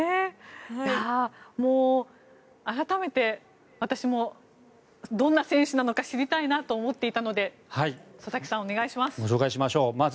改めて私もどんな選手なのか知りたいなと思っていたので佐々木さん、お願いします。